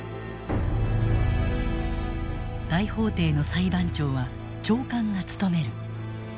大法廷の裁判長は長官が務める。